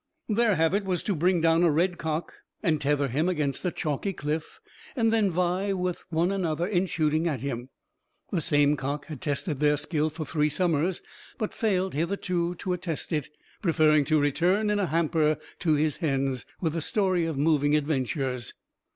Their habit was to bring down a red cock, and tether him against a chalky cliff, and then vie with one another in shooting at him. The same cock had tested their skill for three summers, but failed hitherto to attest it, preferring to return in a hamper to his hens, with a story of moving adventures.